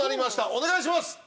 お願いします！